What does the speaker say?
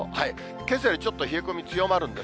けさよりちょっと冷え込み強まるんです。